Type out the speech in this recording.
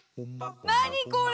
何これ！